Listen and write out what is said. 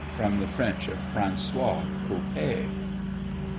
From the French of FRANÇOIS COPPÉE.